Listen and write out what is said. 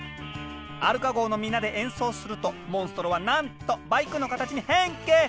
アルカ号の皆で演奏するとモンストロはなんとバイクの形に変形！